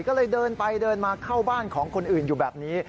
ก็เลยเดินไปเดินมาเข้าบ้านของคนอื่นอยู่แบบนี้